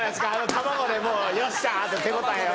卵でもう「よっしゃ」って手応えを。